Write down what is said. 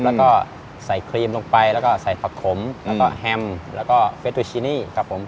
แล้วก็ใส่ครีมลงไปแล้วก็ใส่ผักขมแล้วก็แฮมแล้วก็เฟสตูชินีครับผม